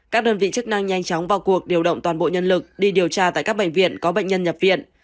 các đơn vị chức năng nhanh chóng vào cuộc điều động toàn bộ nhân lực đi điều tra tại các bệnh viện có bệnh nhân nhập viện